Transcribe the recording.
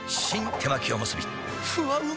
手巻おむすびふわうま